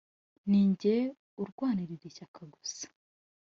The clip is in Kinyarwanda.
ni jye urwanira ishyaka gusa